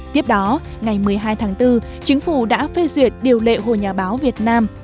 tiếp đó ngày một mươi hai tháng bốn chính phủ đã phê duyệt điều lệ hồ nhà báo việt nam